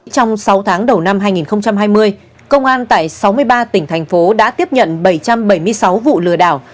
trong sáu tháng đầu năm hai nghìn hai mươi công an tại sáu mươi ba tỉnh thành phố đã tiếp nhận bảy trăm bảy mươi sáu vụ lừa đảo